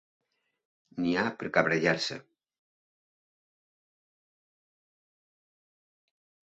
N'hi ha per cabrejar-se.